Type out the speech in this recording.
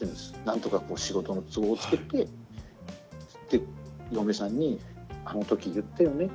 何とか仕事の都合をつけてで嫁さんに「あの時言ったよね？